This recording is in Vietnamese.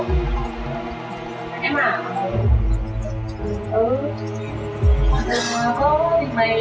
đừng nói em giúp này